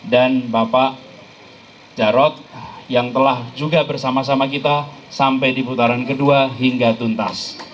dan bapak jarod yang telah juga bersama sama kita sampai di putaran kedua hingga tuntas